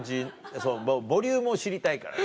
そのボリュームを知りたいからさ。